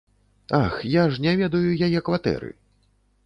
Ах, я ж не ведаю яе кватэры.